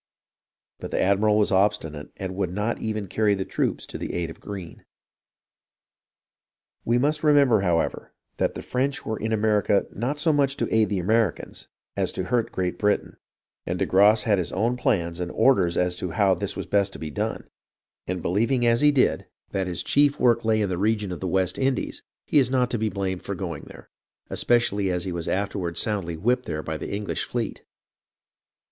But the admiral was obstinate and would not even carry the troops to the aid of Greene. We must remember, however, that the French were in America not so much to aid the Americans as to hurt Great Britain, and de Grasse had his own plans and orders as to how this was best to be done, and believing as he did that THE SURRENDER OF CORNWALLIS 385 his chief work lay in the region of the West Indies he is not to be blamed for going there, especially as he was afterward soundly whipped there by the English fleet.